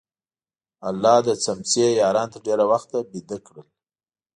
الله د څمڅې یاران تر ډېره وخته ویده کړل.